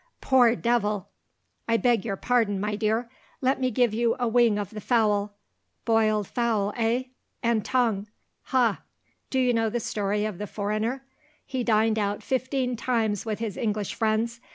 Poor devil! I beg your pardon, my dear; let me give you a wing of the fowl. Boiled fowl eh? and tongue ha? Do you know the story of the foreigner? He dined out fifteen times with his English friends.